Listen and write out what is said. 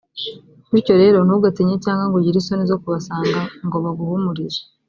bityo rero ntugatinye cyangwa ngo ugire isoni zo kubasanga ngo baguhumurize .